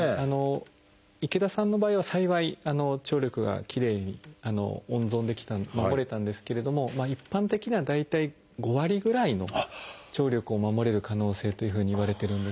池田さんの場合は幸い聴力がきれいに温存できた守れたんですけれども一般的には大体５割ぐらいの聴力を守れる可能性というふうにいわれてるんです。